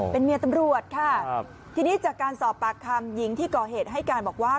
เป็นเมียตำรวจค่ะทีนี้จากการสอบปากคำหญิงที่ก่อเหตุให้การบอกว่า